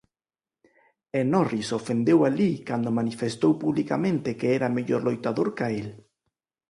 E Norris ofendeu a Lee cando manifestou publicamente que era mellor loitador ca el.